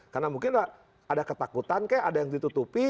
karena mungkin ada ketakutan kayak ada yang ditutupi